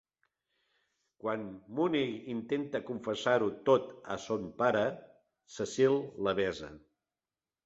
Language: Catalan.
Quan Mooney intenta confessar-ho tot a son pare, Cecil la besa.